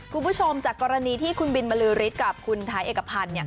คุณผู้ชมจากกรณีที่คุณบินมาฤริษฐ์กับคุณไทยเอกพันธุ์